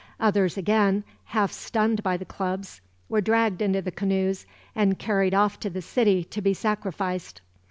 Others again, half stunned by the clubs, were dragged into the canoes and carried off to the city to be sacrificed.